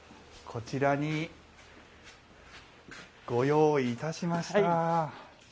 こちらに、ご用意いたしました。